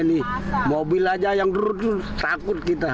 jadi mobil saja yang turut takut kita